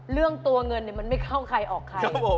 เรื่องตัวเงินมันไม่เข้าใครออกใคร